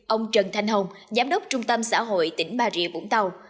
ông trần thanh hồng giám đốc trung tâm xã hội tỉnh bà rịa vũng tàu